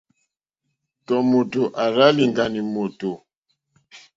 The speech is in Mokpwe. Tɔ̀ mòtò àrzá lìɡànì mòtò.